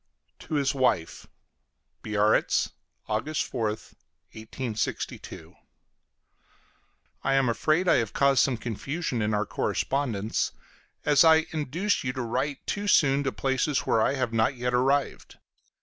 TO HIS WIFE BIARRITZ, August 4th, 1862. I am afraid I have caused some confusion in our correspondence, as I induced you to write too soon to places where I have not yet arrived.